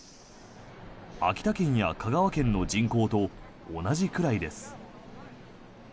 秋田県や香川県の人口と同じくらいです。